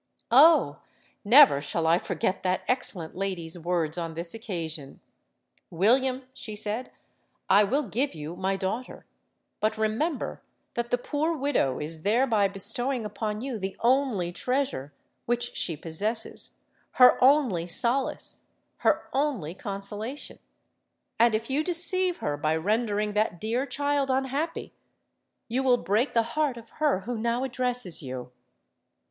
Oh! never shall I forget that excellent lady's words on this occasion. 'William,' she said, 'I will give you my daughter. But remember that the poor widow is thereby bestowing upon you the only treasure which she possesses—her only solace—her only consolation; and if you deceive her by rendering that dear child unhappy, you will break the heart of her who now addresses you!'